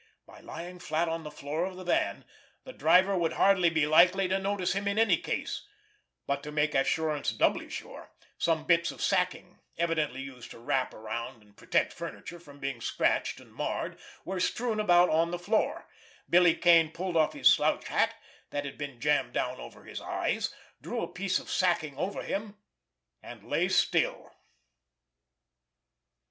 By lying flat on the floor of the van the driver would hardly be likely to notice him in any case; but, to make assurance doubly sure, some bits of sacking, evidently used to wrap around and protect furniture from being scratched and marred, were strewn about on the floor. Billy Kane pulled off his slouch hat, that had been jammed down over his eyes, drew a piece of the sacking over him, and lay still.